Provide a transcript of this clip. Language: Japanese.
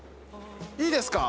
いいですか？